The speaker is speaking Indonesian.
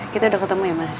kita udah ketemu ya mas